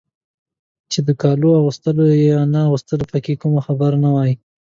چې د کالو اغوستل یا نه اغوستل پکې کومه خبره نه وای.